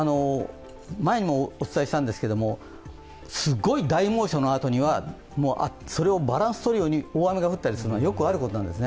前にもお伝えしたんですけれども、すごい大猛暑のあとにはそれをバランスとるように大雨が降ることはよくあることなんです。